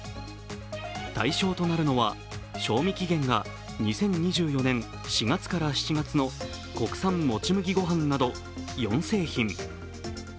対象となるのは賞味期限が２０２４年４月から７月の国産もち麦ごはんなど４製品。